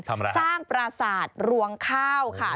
ทำอะไรครับสร้างปราสาทรวงข้าวค่ะ